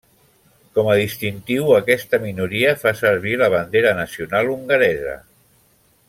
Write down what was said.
Com a distintiu, aquesta minoria fa servir la bandera nacional hongaresa.